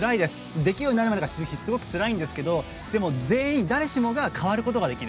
できるようになるまではすごくつらいんですけどでも、全員、誰しもが変わることができる。